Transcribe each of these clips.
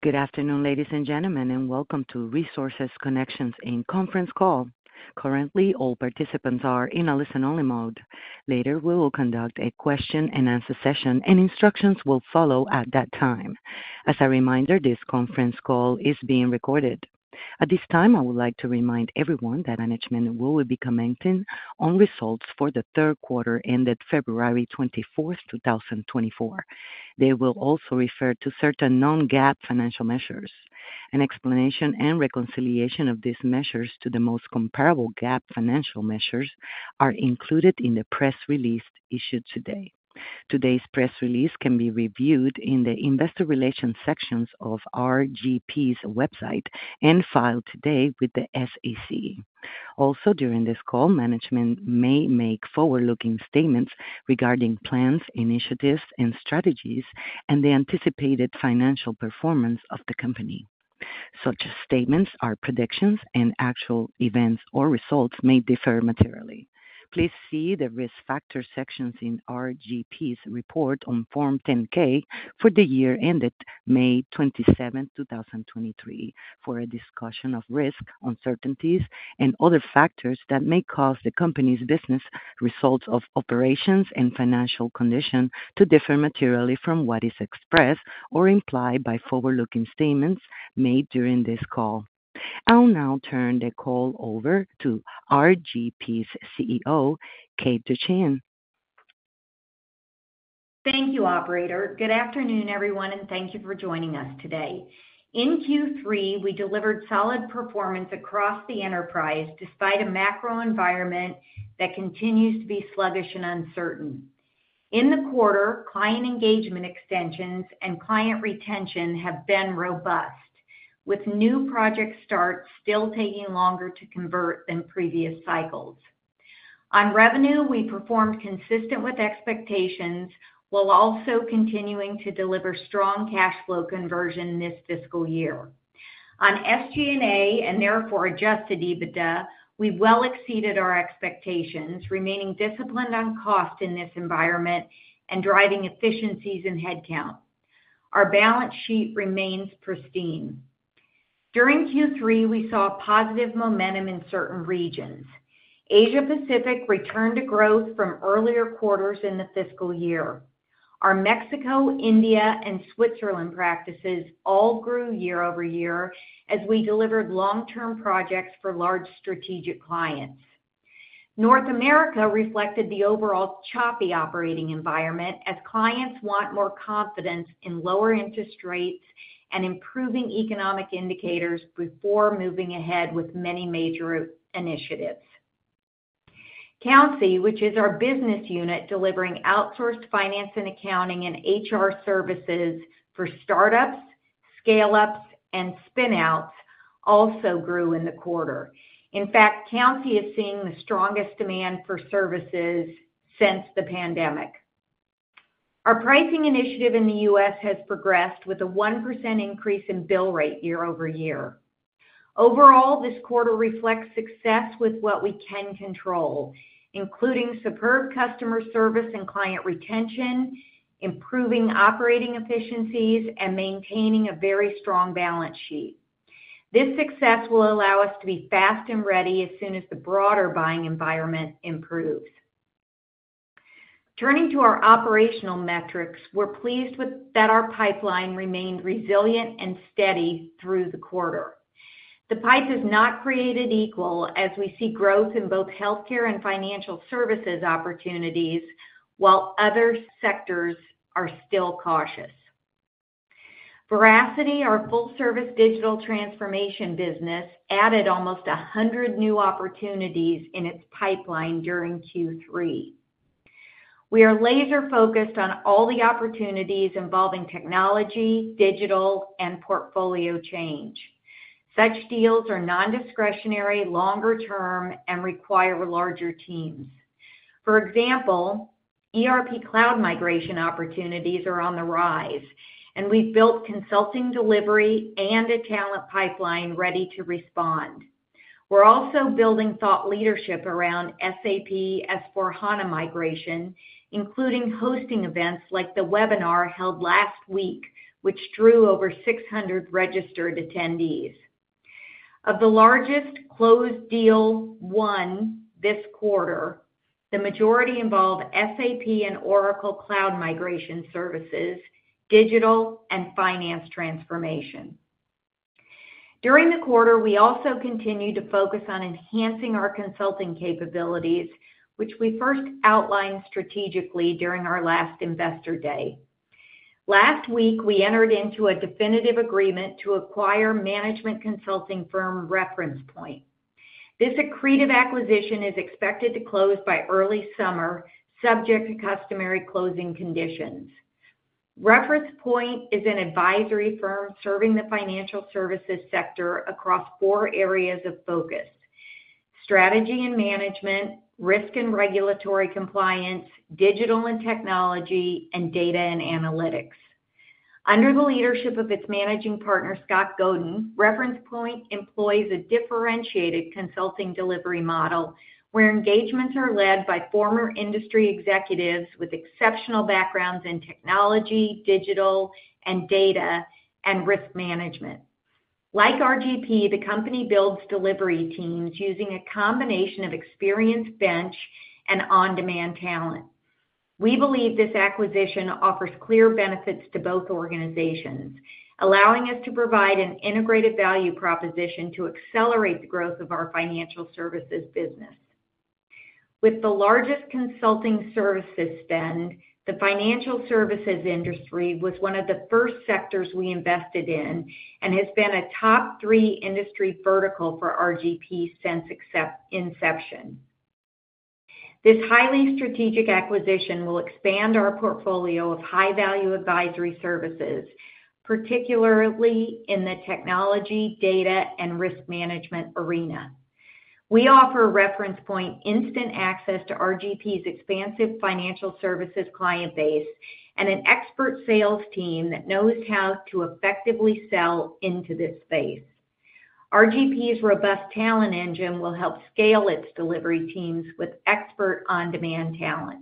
Good afternoon, ladies and gentlemen, and welcome to Resources Connection's earnings conference call. Currently, all participants are in a listen-only mode. Later, we will conduct a question-and-answer session, and instructions will follow at that time. As a reminder, this conference call is being recorded. At this time, I would like to remind everyone that management will be commenting on results for the third quarter ended February 24, 2024. They will also refer to certain non-GAAP financial measures. An explanation and reconciliation of these measures to the most comparable GAAP financial measures are included in the press release issued today. Today's press release can be reviewed in the investor relations sections of RGP's website and filed today with the SEC. Also, during this call, management may make forward-looking statements regarding plans, initiatives, and strategies, and the anticipated financial performance of the company. Such statements are predictions, and actual events or results may differ materially. Please see the risk factors sections in RGP's report on Form 10-K for the year ended May 27, 2023, for a discussion of risk, uncertainties, and other factors that may cause the company's business results of operations and financial condition to differ materially from what is expressed or implied by forward-looking statements made during this call. I'll now turn the call over to RGP's CEO, Kate Duchene. Thank you, operator. Good afternoon, everyone, and thank you for joining us today. In Q3, we delivered solid performance across the enterprise despite a macro environment that continues to be sluggish and uncertain. In the quarter, client engagement extensions and client retention have been robust, with new project starts still taking longer to convert than previous cycles. On revenue, we performed consistent with expectations while also continuing to deliver strong cash flow conversion this fiscal year. On SG&A and therefore Adjusted EBITDA, we well exceeded our expectations, remaining disciplined on cost in this environment and driving efficiencies in headcount. Our balance sheet remains pristine. During Q3, we saw positive momentum in certain regions. Asia-Pacific returned to growth from earlier quarters in the fiscal year. Our Mexico, India, and Switzerland practices all grew year-over-year as we delivered long-term projects for large strategic clients. North America reflected the overall choppy operating environment as clients want more confidence in lower interest rates and improving economic indicators before moving ahead with many major initiatives. Countsy, which is our business unit delivering outsourced finance and accounting and HR services for startups, scale-ups, and spin-outs, also grew in the quarter. In fact, Countsy is seeing the strongest demand for services since the pandemic. Our pricing initiative in the U.S. has progressed with a 1% increase in bill rate year-over-year. Overall, this quarter reflects success with what we can control, including superb customer service and client retention, improving operating efficiencies, and maintaining a very strong balance sheet. This success will allow us to be fast and ready as soon as the broader buying environment improves. Turning to our operational metrics, we're pleased that our pipeline remained resilient and steady through the quarter. The pie is not created equal as we see growth in both healthcare and financial services opportunities, while other sectors are still cautious. Veracity, our full-service digital transformation business, added almost 100 new opportunities in its pipeline during Q3. We are laser-focused on all the opportunities involving technology, digital, and portfolio change. Such deals are nondiscretionary, longer-term, and require larger teams. For example, ERP cloud migration opportunities are on the rise, and we've built consulting delivery and a talent pipeline ready to respond. We're also building thought leadership around SAP S/4HANA migration, including hosting events like the webinar held last week, which drew over 600 registered attendees. Of the largest closed deal won this quarter, the majority involved SAP and Oracle cloud migration services, digital, and finance transformation. During the quarter, we also continue to focus on enhancing our consulting capabilities, which we first outlined strategically during our last investor day. Last week, we entered into a definitive agreement to acquire management consulting firm Reference Point. This accretive acquisition is expected to close by early summer, subject to customary closing conditions. Reference Point is an advisory firm serving the financial services sector across four areas of focus: strategy and management, risk and regulatory compliance, digital and technology, and data and analytics. Under the leadership of its managing partner, Scott Goeden, Reference Point employs a differentiated consulting delivery model where engagements are led by former industry executives with exceptional backgrounds in technology, digital, data, and risk management. Like RGP, the company builds delivery teams using a combination of experienced bench and on-demand talent. We believe this acquisition offers clear benefits to both organizations, allowing us to provide an integrated value proposition to accelerate the growth of our financial services business. With the largest consulting services spend, the financial services industry was one of the first sectors we invested in and has been a top three industry vertical for RGP since inception. This highly strategic acquisition will expand our portfolio of high-value advisory services, particularly in the technology, data, and risk management arena. We offer Reference Point instant access to RGP's expansive financial services client base and an expert sales team that knows how to effectively sell into this space. RGP's robust talent engine will help scale its delivery teams with expert on-demand talent.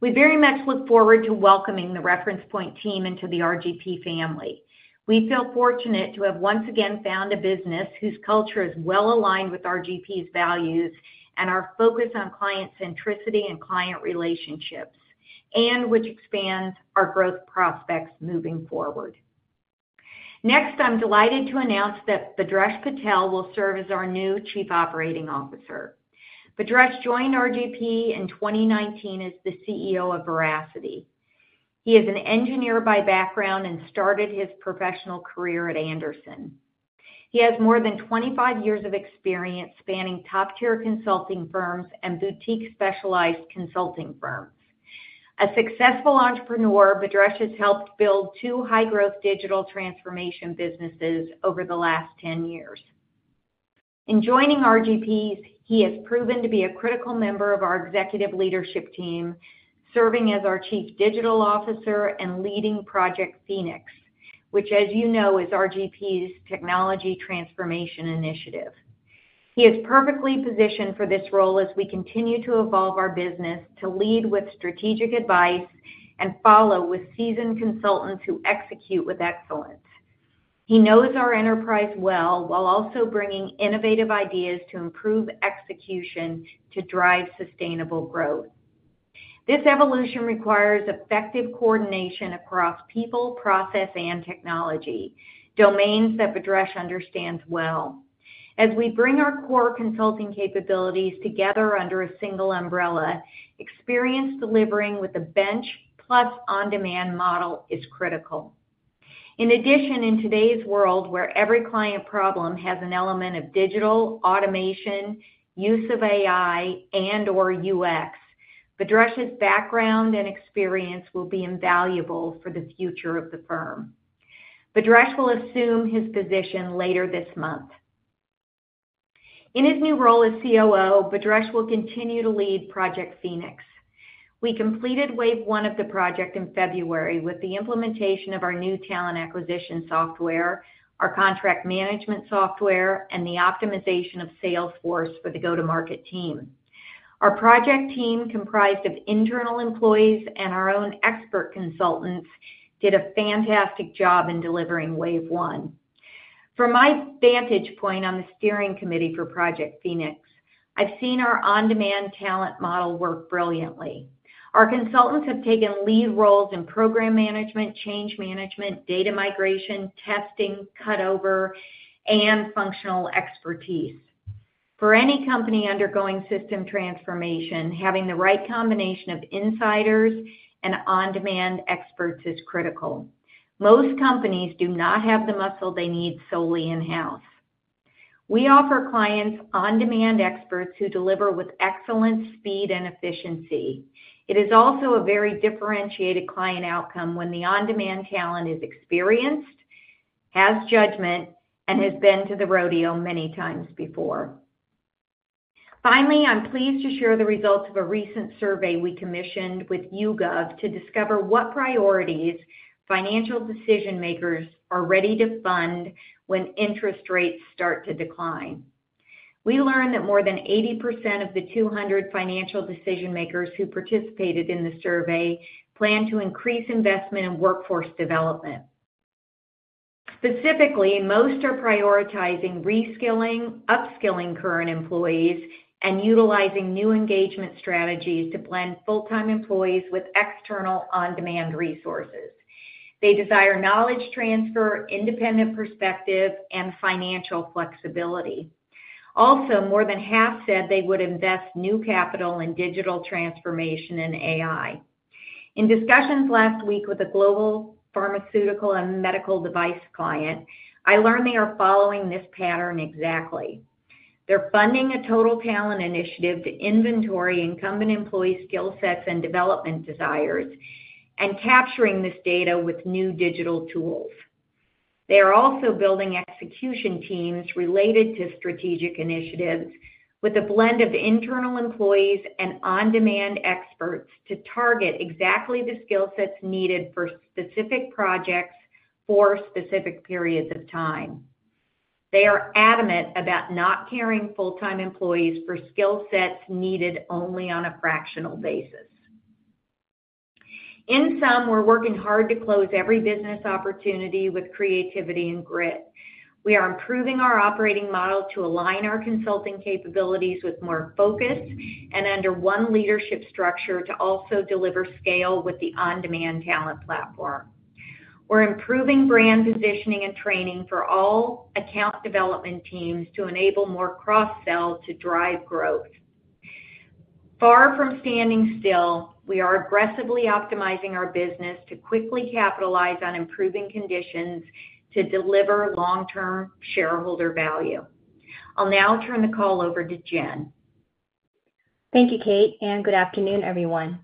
We very much look forward to welcoming the Reference Point team into the RGP family. We feel fortunate to have once again found a business whose culture is well aligned with RGP's values and our focus on client centricity and client relationships, and which expands our growth prospects moving forward. Next, I'm delighted to announce that Bhadresh Patel will serve as our new Chief Operating Officer. Bhadresh joined RGP in 2019 as the CEO of Veracity. He is an engineer by background and started his professional career at Andersen. He has more than 25 years of experience spanning top-tier consulting firms and boutique specialized consulting firms. A successful entrepreneur, Bhadresh has helped build two high-growth digital transformation businesses over the last 10 years. In joining RGP, he has proven to be a critical member of our executive leadership team, serving as our Chief Digital Officer and leading Project Phoenix, which, as you know, is RGP's technology transformation initiative. He is perfectly positioned for this role as we continue to evolve our business to lead with strategic advice and follow with seasoned consultants who execute with excellence. He knows our enterprise well while also bringing innovative ideas to improve execution to drive sustainable growth. This evolution requires effective coordination across people, process, and technology, domains that Bhadresh understands well. As we bring our core consulting capabilities together under a single umbrella, experience delivering with the bench-plus-on-demand model is critical. In addition, in today's world where every client problem has an element of digital, automation, use of AI, and/or UX, Bhadresh's background and experience will be invaluable for the future of the firm. Bhadresh will assume his position later this month. In his new role as COO, Bhadresh will continue to lead Project Phoenix. We completed wave one of the project in February with the implementation of our new talent acquisition software, our contract management software, and the optimization of Salesforce for the go-to-market team. Our project team, comprised of internal employees and our own expert consultants, did a fantastic job in delivering wave one. From my vantage point on the steering committee for Project Phoenix, I've seen our on-demand talent model work brilliantly. Our consultants have taken lead roles in program management, change management, data migration, testing, cutover, and functional expertise. For any company undergoing system transformation, having the right combination of insiders and on-demand experts is critical. Most companies do not have the muscle they need solely in-house. We offer clients on-demand experts who deliver with excellent speed and efficiency. It is also a very differentiated client outcome when the on-demand talent is experienced, has judgment, and has been to the rodeo many times before. Finally, I'm pleased to share the results of a recent survey we commissioned with YouGov to discover what priorities financial decision-makers are ready to fund when interest rates start to decline. We learned that more than 80% of the 200 financial decision-makers who participated in the survey plan to increase investment in workforce development. Specifically, most are prioritizing reskilling, upskilling current employees, and utilizing new engagement strategies to blend full-time employees with external on-demand resources. They desire knowledge transfer, independent perspective, and financial flexibility. Also, more than half said they would invest new capital in digital transformation and AI. In discussions last week with a global pharmaceutical and medical device client, I learned they are following this pattern exactly. They're funding a total talent initiative to inventory incumbent employee skill sets and development desires and capturing this data with new digital tools. They are also building execution teams related to strategic initiatives with a blend of internal employees and on-demand experts to target exactly the skill sets needed for specific projects for specific periods of time. They are adamant about not carrying full-time employees for skill sets needed only on a fractional basis. In sum, we're working hard to close every business opportunity with creativity and grit. We are improving our operating model to align our consulting capabilities with more focus and under one leadership structure to also deliver scale with the on-demand talent platform. We're improving brand positioning and training for all account development teams to enable more cross-sell to drive growth. Far from standing still, we are aggressively optimizing our business to quickly capitalize on improving conditions to deliver long-term shareholder value. I'll now turn the call over to Jen. Thank you, Kate, and good afternoon, everyone.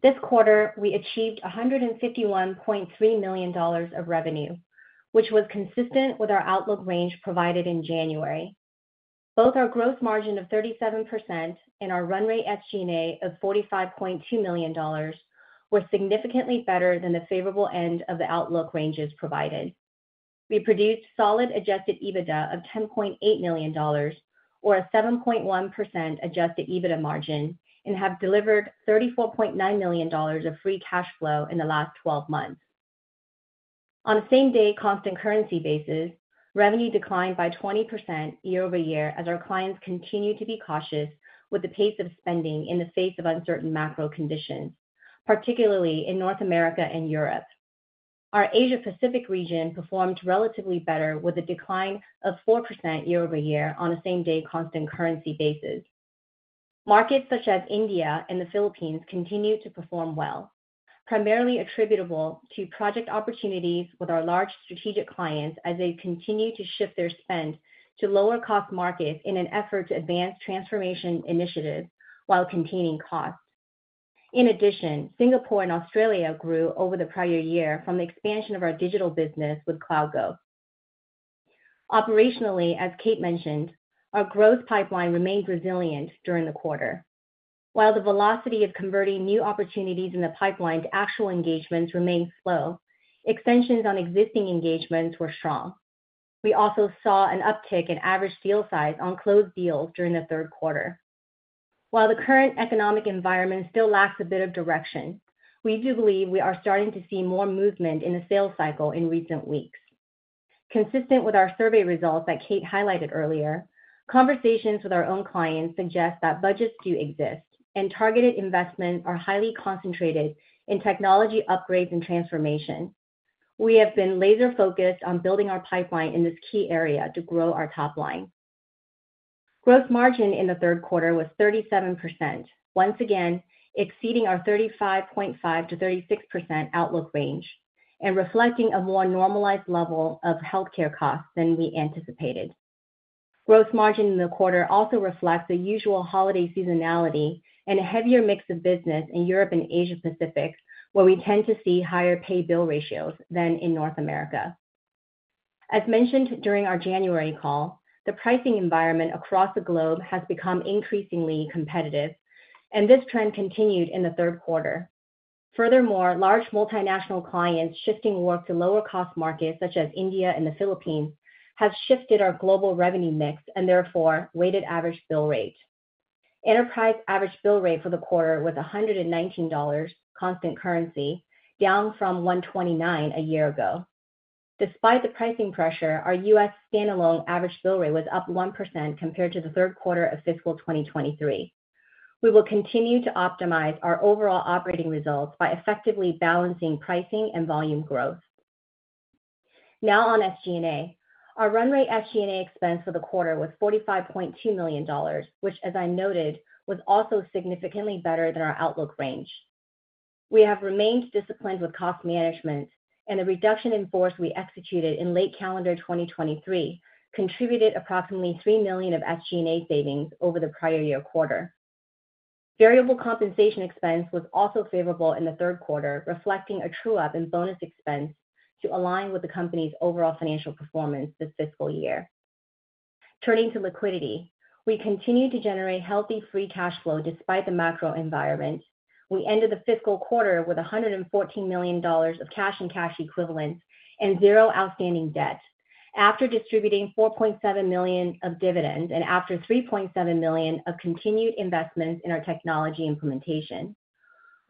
This quarter, we achieved $151.3 million of revenue, which was consistent with our outlook range provided in January. Both our gross margin of 37% and our run rate SG&A of $45.2 million were significantly better than the favorable end of the outlook ranges provided. We produced solid adjusted EBITDA of $10.8 million, or a 7.1% adjusted EBITDA margin, and have delivered $34.9 million of free cash flow in the last 12 months. On the same-day constant currency basis, revenue declined by 20% year-over-year as our clients continue to be cautious with the pace of spending in the face of uncertain macro conditions, particularly in North America and Europe. Our Asia-Pacific region performed relatively better with a decline of 4% year-over-year on the same-day constant currency basis. Markets such as India and the Philippines continue to perform well, primarily attributable to project opportunities with our large strategic clients as they continue to shift their spend to lower-cost markets in an effort to advance transformation initiatives while containing cost. In addition, Singapore and Australia grew over the prior year from the expansion of our digital business with CloudGo. Operationally, as Kate mentioned, our growth pipeline remained resilient during the quarter. While the velocity of converting new opportunities in the pipeline to actual engagements remained slow, extensions on existing engagements were strong. We also saw an uptick in average deal size on closed deals during the third quarter. While the current economic environment still lacks a bit of direction, we do believe we are starting to see more movement in the sales cycle in recent weeks. Consistent with our survey results that Kate highlighted earlier, conversations with our own clients suggest that budgets do exist and targeted investments are highly concentrated in technology upgrades and transformation. We have been laser-focused on building our pipeline in this key area to grow our top line. Gross margin in the third quarter was 37%, once again exceeding our 35.5%-36% outlook range and reflecting a more normalized level of healthcare costs than we anticipated. Gross margin in the quarter also reflects the usual holiday seasonality and a heavier mix of business in Europe and Asia-Pacific, where we tend to see higher pay/bill ratios than in North America. As mentioned during our January call, the pricing environment across the globe has become increasingly competitive, and this trend continued in the third quarter. Furthermore, large multinational clients shifting work to lower-cost markets such as India and the Philippines has shifted our global revenue mix and, therefore, weighted average bill rate. Enterprise average bill rate for the quarter was $119, constant currency, down from $129 a year ago. Despite the pricing pressure, our U.S. standalone average bill rate was up 1% compared to the third quarter of fiscal 2023. We will continue to optimize our overall operating results by effectively balancing pricing and volume growth. Now on SG&A, our run rate SG&A expense for the quarter was $45.2 million, which, as I noted, was also significantly better than our outlook range. We have remained disciplined with cost management, and the reduction in force we executed in late calendar 2023 contributed approximately $3 million of SG&A savings over the prior year quarter. Variable compensation expense was also favorable in the third quarter, reflecting a true-up in bonus expense to align with the company's overall financial performance this fiscal year. Turning to liquidity, we continue to generate healthy free cash flow despite the macro environment. We ended the fiscal quarter with $114 million of cash and cash equivalents and zero outstanding debt after distributing $4.7 million of dividends and after $3.7 million of continued investments in our technology implementation.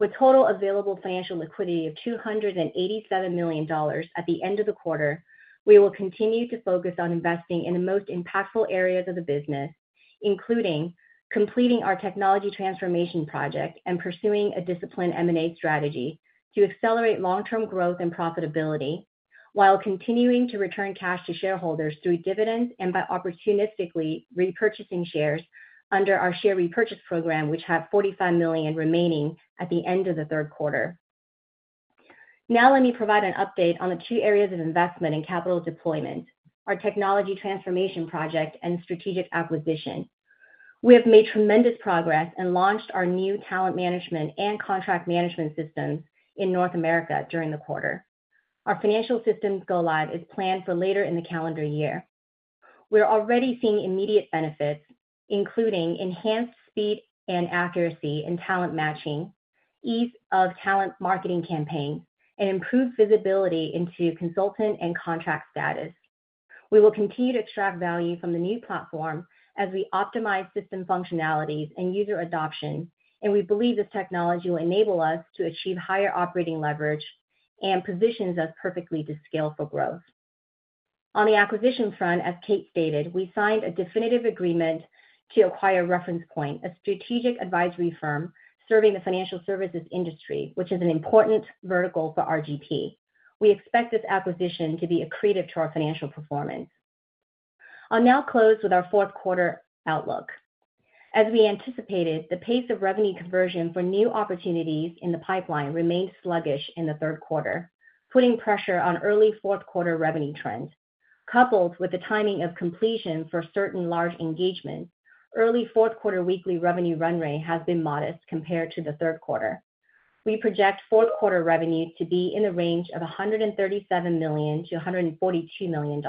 With total available financial liquidity of $287 million at the end of the quarter, we will continue to focus on investing in the most impactful areas of the business, including completing our technology transformation project and pursuing a disciplined M&A strategy to accelerate long-term growth and profitability while continuing to return cash to shareholders through dividends and by opportunistically repurchasing shares under our share repurchase program, which have $45 million remaining at the end of the third quarter. Now let me provide an update on the two areas of investment and capital deployment: our technology transformation project and strategic acquisition. We have made tremendous progress and launched our new talent management and contract management systems in North America during the quarter. Our financial systems go-live is planned for later in the calendar year. We're already seeing immediate benefits, including enhanced speed and accuracy in talent matching, ease of talent marketing campaigns, and improved visibility into consultant and contract status. We will continue to extract value from the new platform as we optimize system functionalities and user adoption, and we believe this technology will enable us to achieve higher operating leverage and positions us perfectly to scale for growth. On the acquisition front, as Kate stated, we signed a definitive agreement to acquire Reference Point, a strategic advisory firm serving the financial services industry, which is an important vertical for RGP. We expect this acquisition to be accretive to our financial performance. I'll now close with our fourth quarter outlook. As we anticipated, the pace of revenue conversion for new opportunities in the pipeline remained sluggish in the third quarter, putting pressure on early fourth quarter revenue trends. Coupled with the timing of completion for certain large engagements, early fourth quarter weekly revenue run rate has been modest compared to the third quarter. We project fourth quarter revenue to be in the range of $137 million-$142 million.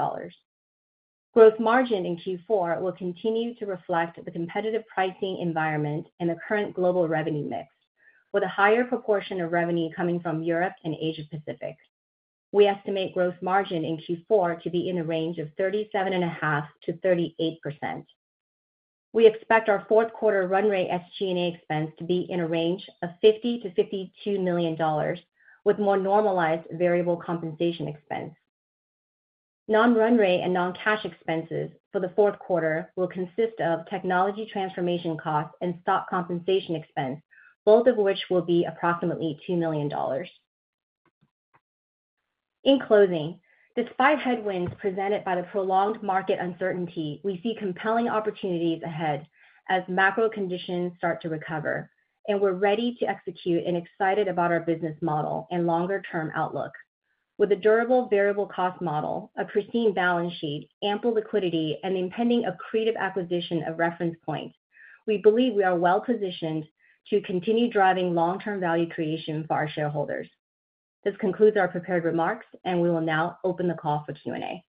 Gross margin in Q4 will continue to reflect the competitive pricing environment and the current global revenue mix, with a higher proportion of revenue coming from Europe and Asia-Pacific. We estimate gross margin in Q4 to be in the range of 37.5%-38%. We expect our fourth quarter run rate SG&A expense to be in a range of $50 million-$52 million, with more normalized variable compensation expense. Non-run rate and non-cash expenses for the fourth quarter will consist of technology transformation costs and stock compensation expense, both of which will be approximately $2 million. In closing, despite headwinds presented by the prolonged market uncertainty, we see compelling opportunities ahead as macro conditions start to recover, and we're ready to execute and excited about our business model and longer-term outlook. With a durable variable cost model, a pristine balance sheet, ample liquidity, and the impending accretive acquisition of Reference Point, we believe we are well positioned to continue driving long-term value creation for our shareholders. This concludes our prepared remarks, and we will now open the call for Q&A.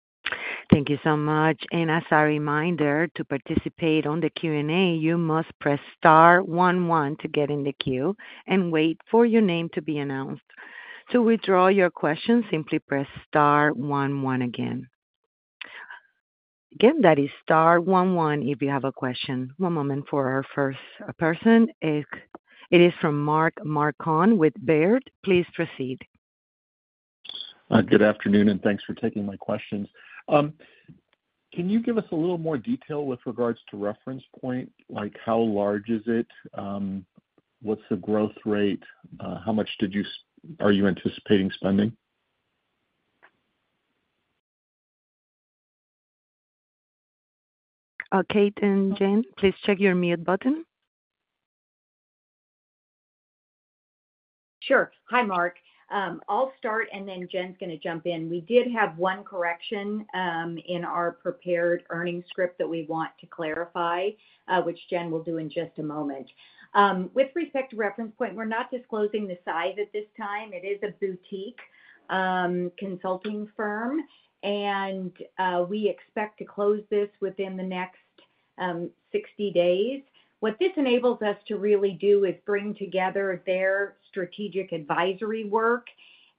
Thank you so much. As a reminder, to participate on the Q&A, you must press star 11 to get in the queue and wait for your name to be announced. To withdraw your question, simply press star 11 again. Again, that is star 11 if you have a question. One moment for our first person. It is from Mark Marcon with Baird. Please proceed. Good afternoon, and thanks for taking my questions. Can you give us a little more detail with regards to Reference Point, like how large is it, what's the growth rate, how much are you anticipating spending? Kate and Jen, please check your mute button. Sure. Hi, Marc. I'll start, and then Jen's going to jump in. We did have one correction in our prepared earnings script that we want to clarify, which Jen will do in just a moment. With respect to Reference Point, we're not disclosing the size at this time. It is a boutique consulting firm, and we expect to close this within the next 60 days. What this enables us to really do is bring together their strategic advisory work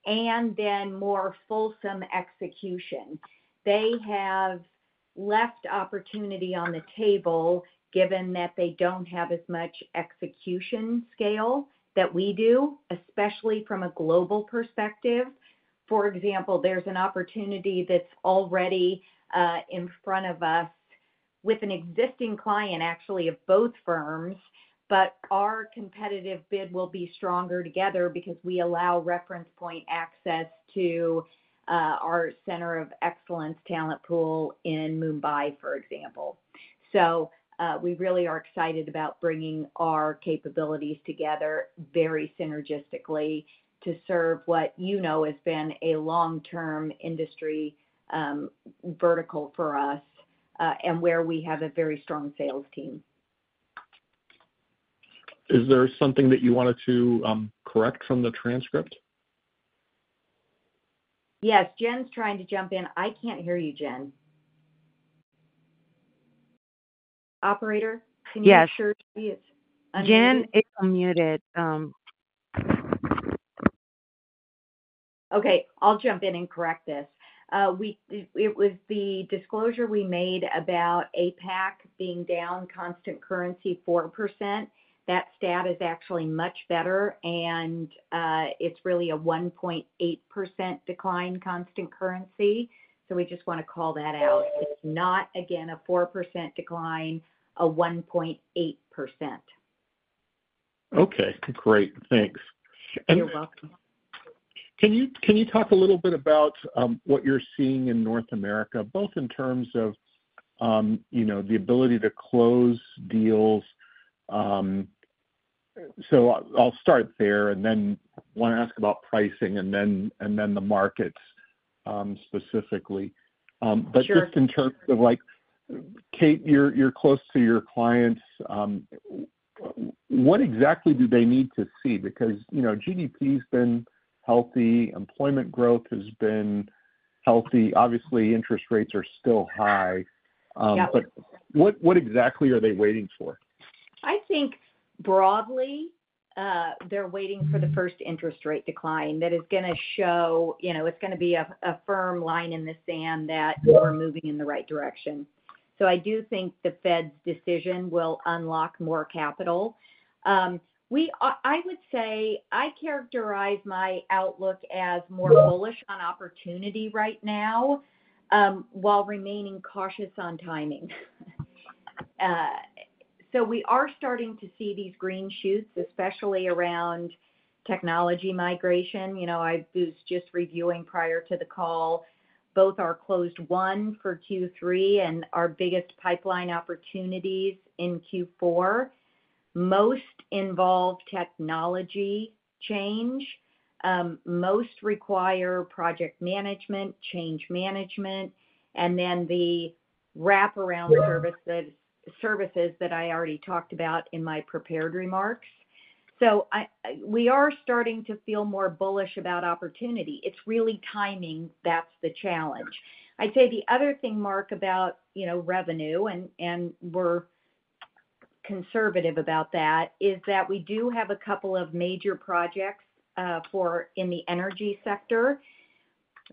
and then more fulsome execution. They have left opportunity on the table given that they don't have as much execution scale that we do, especially from a global perspective. For example, there's an opportunity that's already in front of us with an existing client, actually, of both firms, but our competitive bid will be stronger together because we allow Reference Point access to our Center of Excellence talent pool in Mumbai, for example. So we really are excited about bringing our capabilities together very synergistically to serve what you know has been a long-term industry vertical for us and where we have a very strong sales team. Is there something that you wanted to correct from the transcript? Yes. Jen's trying to jump in. I can't hear you, Jen. Operator, can you make sure she is unmuted? Jen, it's unmuted. Okay. I'll jump in and correct this. It was the disclosure we made about APAC being down constant currency 4%. That stat is actually much better, and it's really a 1.8% decline constant currency. So we just want to call that out. It's not, again, a 4% decline, a 1.8%. Okay. Great. Thanks. And. You're welcome. Can you talk a little bit about what you're seeing in North America, both in terms of the ability to close deals? So I'll start there and then want to ask about pricing and then the markets specifically. But just in terms of, Kate, you're close to your clients. What exactly do they need to see? Because GDP's been healthy, employment growth has been healthy. Obviously, interest rates are still high. But what exactly are they waiting for? I think broadly, they're waiting for the first interest rate decline that is going to show it's going to be a firm line in the sand that we're moving in the right direction. So I do think the Fed's decision will unlock more capital. I would say I characterize my outlook as more bullish on opportunity right now while remaining cautious on timing. So we are starting to see these green shoots, especially around technology migration. I was just reviewing prior to the call. Both our closed one for Q3 and our biggest pipeline opportunities in Q4 most involve technology change, most require project management, change management, and then the wraparound services that I already talked about in my prepared remarks. So we are starting to feel more bullish about opportunity. It's really timing that's the challenge. I'd say the other thing, Marc, about revenue, and we're conservative about that, is that we do have a couple of major projects in the energy sector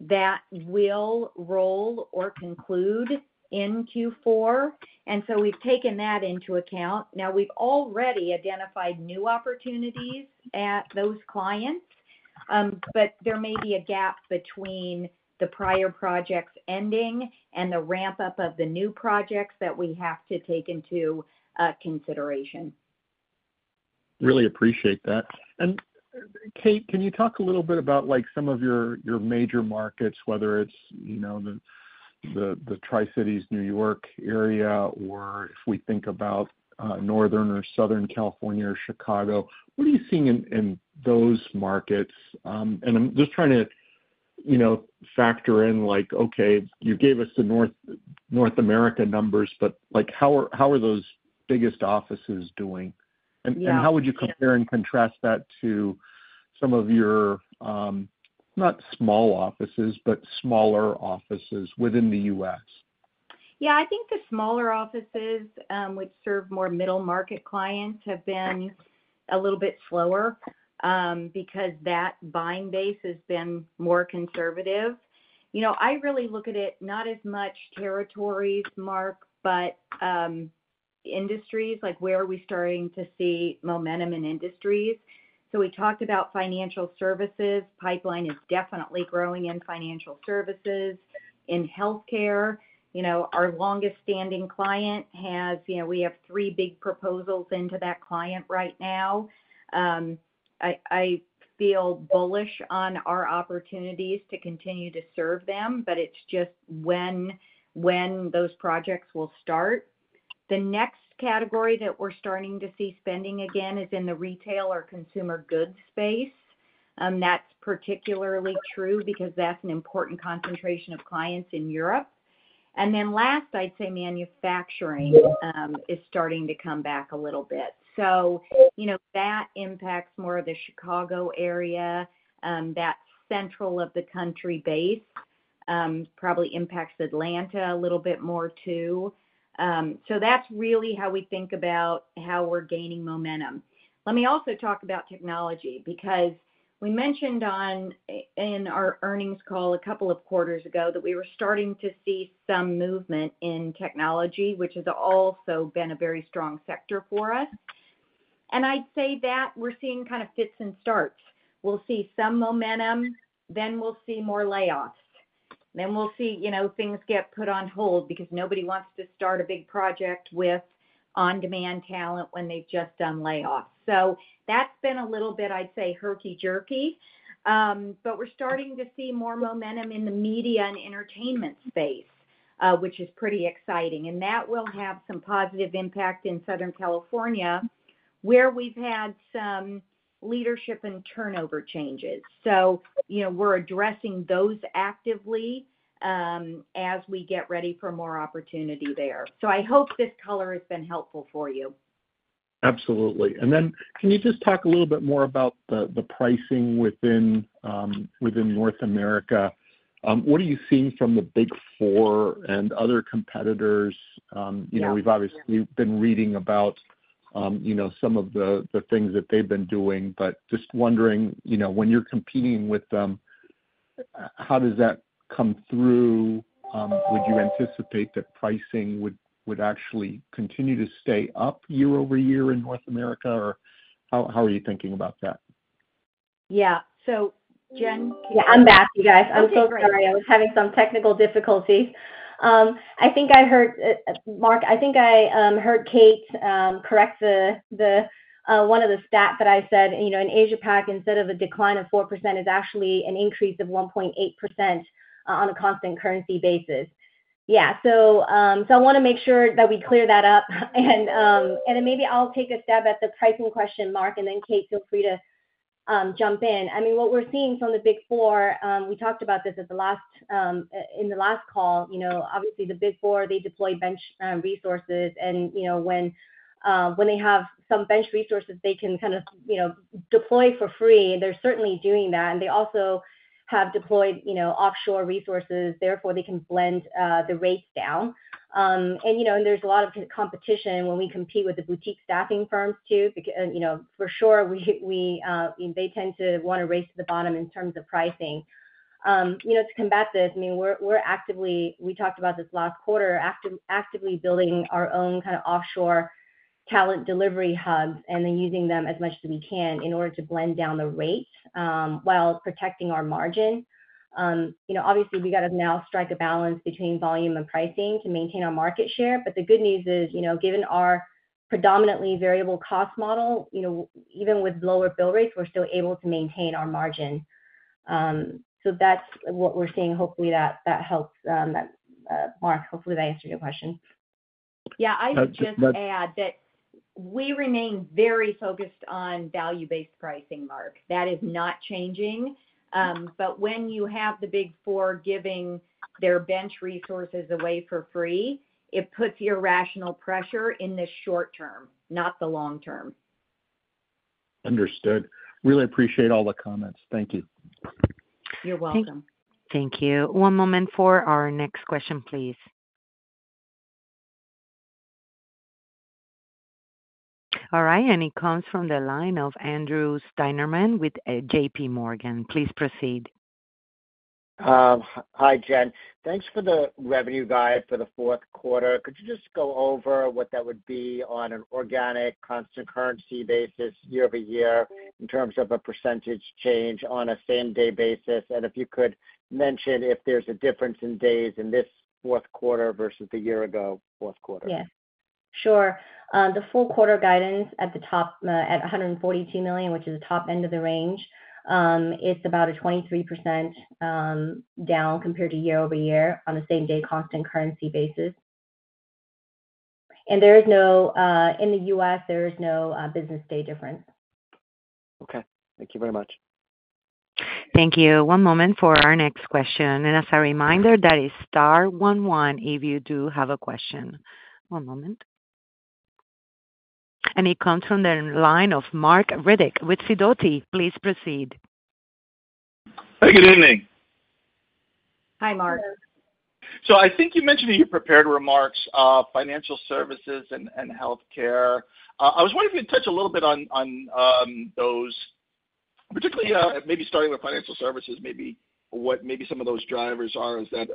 that will roll or conclude in Q4. And so we've taken that into account. Now, we've already identified new opportunities at those clients, but there may be a gap between the prior projects ending and the ramp-up of the new projects that we have to take into consideration. Really appreciate that. And Kate, can you talk a little bit about some of your major markets, whether it's the Tri-Cities, New York area, or if we think about northern or southern California or Chicago? What are you seeing in those markets? And I'm just trying to factor in, okay, you gave us the North America numbers, but how are those biggest offices doing? And how would you compare and contrast that to some of your not small offices, but smaller offices within the U.S.? Yeah. I think the smaller offices which serve more middle-market clients have been a little bit slower because that buying base has been more conservative. I really look at it not as much territories, Marc, but industries like where are we starting to see momentum in industries? So we talked about financial services. Pipeline is definitely growing in financial services. In healthcare, our longest-standing client, we have three big proposals into that client right now. I feel bullish on our opportunities to continue to serve them, but it's just when those projects will start. The next category that we're starting to see spending again is in the retail or consumer goods space. That's particularly true because that's an important concentration of clients in Europe. And then last, I'd say manufacturing is starting to come back a little bit. So that impacts more of the Chicago area. That central of the country base probably impacts Atlanta a little bit more too. So that's really how we think about how we're gaining momentum. Let me also talk about technology because we mentioned in our earnings call a couple of quarters ago that we were starting to see some movement in technology, which has also been a very strong sector for us. And I'd say that we're seeing kind of fits and starts. We'll see some momentum, then we'll see more layoffs. Then we'll see things get put on hold because nobody wants to start a big project with on-demand talent when they've just done layoffs. So that's been a little bit, I'd say, herky-jerky. But we're starting to see more momentum in the media and entertainment space, which is pretty exciting. That will have some positive impact in Southern California where we've had some leadership and turnover changes. We're addressing those actively as we get ready for more opportunity there. I hope this color has been helpful for you. Absolutely. And then can you just talk a little bit more about the pricing within North America? What are you seeing from the Big Four and other competitors? We've obviously been reading about some of the things that they've been doing, but just wondering, when you're competing with them, how does that come through? Would you anticipate that pricing would actually continue to stay up year-over-year in North America, or how are you thinking about that? Yeah. So Jen, can you? Yeah. I'm back, you guys. I'm so sorry. I was having some technical difficulties. I think I heard Marc, I think I heard Kate correct one of the stats that I said. In Asia-Pac, instead of a decline of 4%, it's actually an increase of 1.8% on a constant currency basis. Yeah. So I want to make sure that we clear that up. And then maybe I'll take a step at the pricing question, Marc, and then Kate, feel free to jump in. I mean, what we're seeing from the Big Four, we talked about this in the last call. Obviously, the Big Four, they deploy bench resources. And when they have some bench resources, they can kind of deploy for free. And they're certainly doing that. And they also have deployed offshore resources. Therefore, they can blend the rates down. There's a lot of competition when we compete with the boutique staffing firms too. For sure, they tend to want to race to the bottom in terms of pricing. To combat this, I mean, we talked about this last quarter, actively building our own kind of offshore talent delivery hubs and then using them as much as we can in order to blend down the rates while protecting our margin. Obviously, we got to now strike a balance between volume and pricing to maintain our market share. But the good news is, given our predominantly variable cost model, even with lower bill rates, we're still able to maintain our margin. So that's what we're seeing. Hopefully, that helps, Marc. Hopefully, that answered your question. Yeah. I would just add that we remain very focused on value-based pricing, Marc. That is not changing. But when you have the Big Four giving their bench resources away for free, it puts irrational pressure in the short term, not the long term. Understood. Really appreciate all the comments. Thank you. You're welcome. Thank you. One moment for our next question, please. All right. It comes from the line of Andrew Steinerman with JP Morgan. Please proceed. Hi, Jen. Thanks for the revenue guide for the fourth quarter. Could you just go over what that would be on an organic constant currency basis year-over-year in terms of a percentage change on a same-day basis? If you could mention if there's a difference in days in this fourth quarter versus the year ago, fourth quarter. Yeah. Sure. The full quarter guidance at the top at $142 million, which is the top end of the range, it's about a 23% down compared to year-over-year on the same-day constant currency basis. In the U.S., there is no business day difference. Okay. Thank you very much. Thank you. One moment for our next question. And as a reminder, that is star 11 if you do have a question. One moment. And it comes from the line of Marc Riddick with Sidoti. Please proceed. Hey. Good evening. Hi, Marc. I think you mentioned in your prepared remarks financial services and healthcare. I was wondering if you could touch a little bit on those, particularly maybe starting with financial services, maybe what maybe some of those drivers are. Is that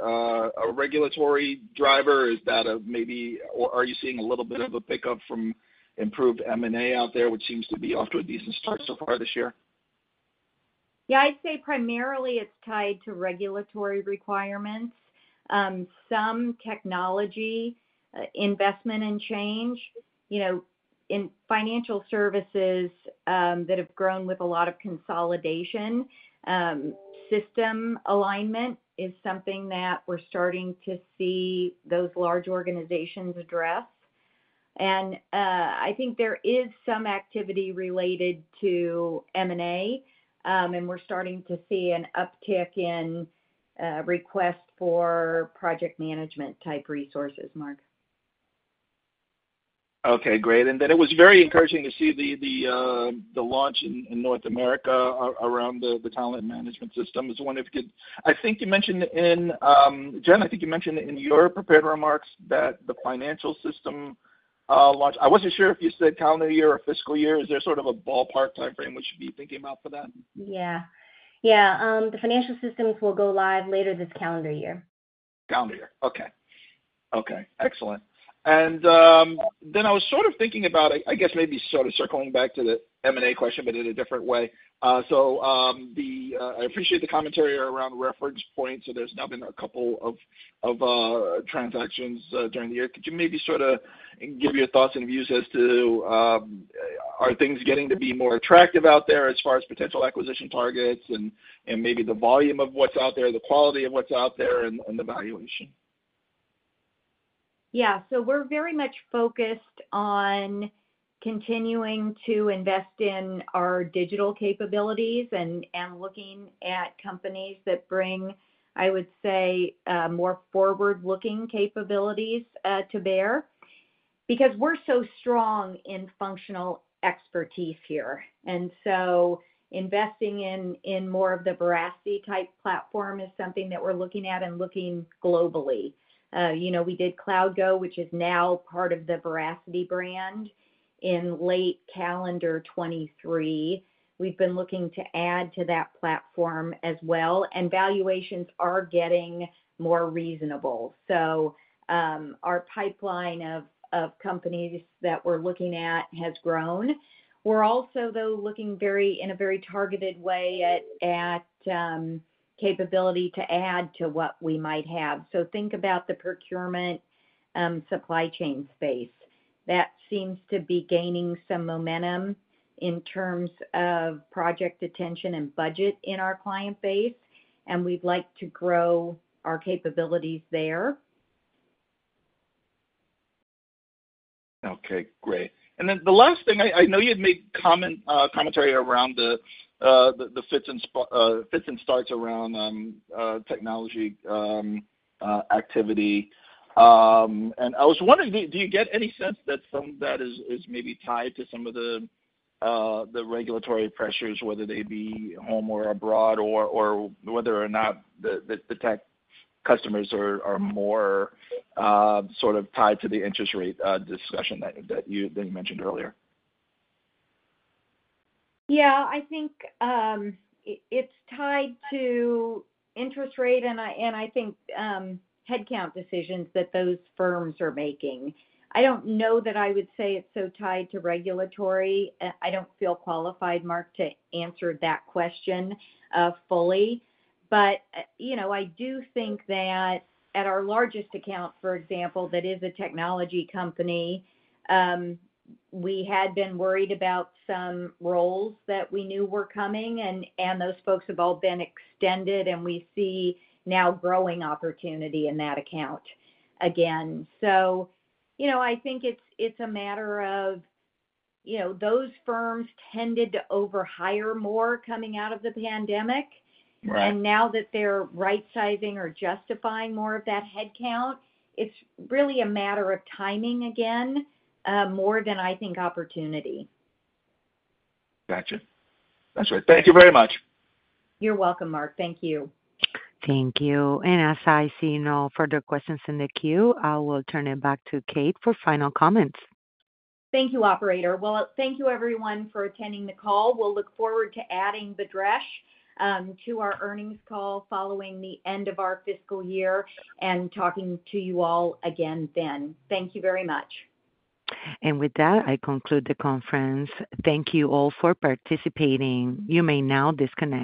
a regulatory driver? Is that a maybe or are you seeing a little bit of a pickup from improved M&A out there, which seems to be off to a decent start so far this year? Yeah. I'd say primarily it's tied to regulatory requirements, some technology investment and change. In financial services that have grown with a lot of consolidation, system alignment is something that we're starting to see those large organizations address. I think there is some activity related to M&A, and we're starting to see an uptick in requests for project management-type resources, Marc. Okay. Great. And then it was very encouraging to see the launch in North America around the talent management system. I was wondering if you could. I think you mentioned, Jen, in your prepared remarks that the financial system launch. I wasn't sure if you said calendar year or fiscal year. Is there sort of a ballpark timeframe we should be thinking about for that? Yeah. Yeah. The financial systems will go live later this calendar year. Calendar year. Okay. Okay. Excellent. And then I was sort of thinking about I guess maybe sort of circling back to the M&A question, but in a different way. So I appreciate the commentary around Reference Point. So there's now been a couple of transactions during the year. Could you maybe sort of give your thoughts and views as to are things getting to be more attractive out there as far as potential acquisition targets and maybe the volume of what's out there, the quality of what's out there, and the valuation? Yeah. So we're very much focused on continuing to invest in our digital capabilities and looking at companies that bring, I would say, more forward-looking capabilities to bear because we're so strong in functional expertise here. And so investing in more of the Veracity-type platform is something that we're looking at and looking globally. We did CloudGo, which is now part of the Veracity brand in late calendar 2023. We've been looking to add to that platform as well. And valuations are getting more reasonable. So our pipeline of companies that we're looking at has grown. We're also, though, looking in a very targeted way at capability to add to what we might have. So think about the procurement supply chain space. That seems to be gaining some momentum in terms of project attention and budget in our client base. And we'd like to grow our capabilities there. Okay. Great. And then the last thing, I know you had made commentary around the fits and starts around technology activity. And I was wondering, do you get any sense that some of that is maybe tied to some of the regulatory pressures, whether they be home or abroad or whether or not the tech customers are more sort of tied to the interest rate discussion that you mentioned earlier? Yeah. I think it's tied to interest rate, and I think headcount decisions that those firms are making. I don't know that I would say it's so tied to regulatory. I don't feel qualified, Marc, to answer that question fully. But I do think that at our largest account, for example, that is a technology company, we had been worried about some roles that we knew were coming. And those folks have all been extended, and we see now growing opportunity in that account again. So I think it's a matter of those firms tended to overhire more coming out of the pandemic. And now that they're right-sizing or justifying more of that headcount, it's really a matter of timing again more than I think opportunity. Gotcha. That's right. Thank you very much. You're welcome, Marc. Thank you. Thank you. As I see no further questions in the queue, I will turn it back to Kate for final comments. Thank you, operator. Well, thank you, everyone, for attending the call. We'll look forward to adding Bhadresh to our earnings call following the end of our fiscal year and talking to you all again then. Thank you very much. With that, I conclude the conference. Thank you all for participating. You may now disconnect.